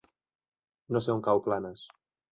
No sé on cau Planes.